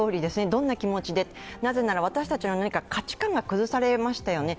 どんな気持ちで、なぜなら私たちの価値観が崩されましたよね。